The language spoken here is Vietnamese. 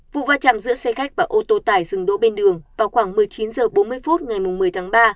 vụ va chạm giữa xe khách và ô tô tải dừng đỗ bên đường vào khoảng một mươi chín h bốn mươi phút ngày một mươi tháng ba